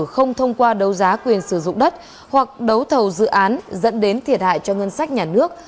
không thông qua đấu giá quyền sử dụng đất hoặc đấu thầu dự án dẫn đến thiệt hại cho ngân sách nhà nước